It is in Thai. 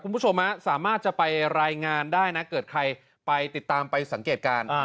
คุณผู้ชมสามารถจะไปรายงานได้นะเกิดใครไปติดตามไปสังเกตการณ์